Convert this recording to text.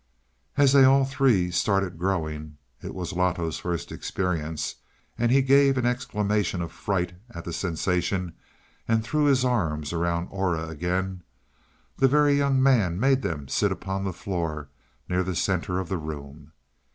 As they all three started growing it was Loto's first experience, and he gave an exclamation of fright at the sensation and threw his arms around Aura again the Very Young Man made them sit upon the floor near the center of the room.